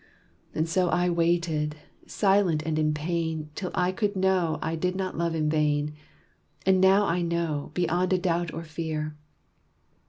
And so I waited, silent and in pain, Till I could know I did not love in vain. And now I know, beyond a doubt or fear.